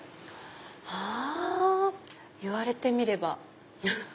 はぁ言われてみれば。